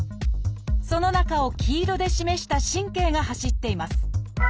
その中を黄色で示した神経が走っています。